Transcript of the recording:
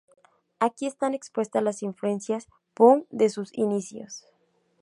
Aquí están expuestas las influencias punk de sus inicios.